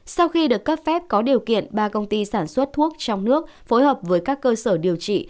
sau khi được cấp phép có điều kiện ba công ty sản xuất thuốc trong nước phối hợp với các cơ sở điều trị